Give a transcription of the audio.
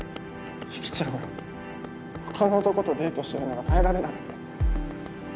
雪ちゃんがほかの男とデートしてるのが耐えられなくて。